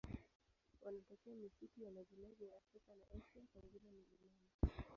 Wanatokea misitu ya majimaji ya Afrika na Asia, pengine milimani.